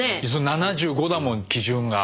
７５だもん基準が。